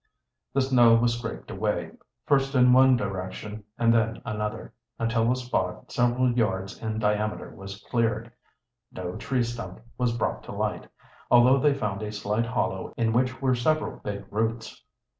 The snow was scraped away, first in one direction and then another, until a spot several yards in diameter was cleared. No tree stump was brought to light, although they found a slight hollow in which were several big roots.